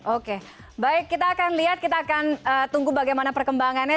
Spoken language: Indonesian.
oke baik kita akan lihat kita akan tunggu bagaimana perkembangannya